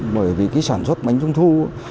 bởi vì sản xuất bánh trung thu